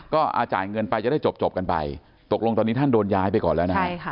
ก็จ่ายเงินไปจะได้จบกันไปตกลงตอนนี้ท่านโดนย้ายไปก่อนแล้วนะฮะ